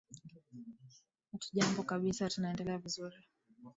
hatujambo kabisa tunaendelea vizuri